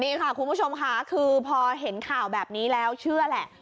นี่ค่ะคุณผู้ชมค่ะคือพอเห็นข่าวแบบนี้แล้วเชื่อแหละ